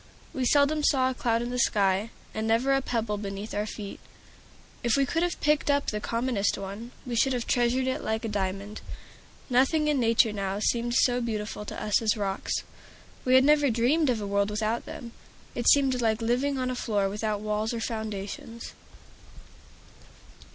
We seldom saw a cloud in the sky, and never a pebble beneath our feet. If we could have picked up the commonest one, we should have treasured it like a diamond. Nothing in nature now seemed so beautiful to us as rocks. We had never dreamed of a world without them; it seemed like living on a floor without walls or foundations.